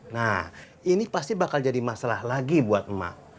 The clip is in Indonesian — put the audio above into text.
nah ini pasti bakal jadi masalah lagi buat emak